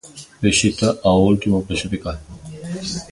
Visita ao último clasificado.